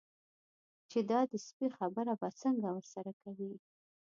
چې دا د سپي خبره به څنګه ورسره کوي.